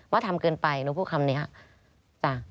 ทำเกินไปหนูพูดคำนี้จ้ะ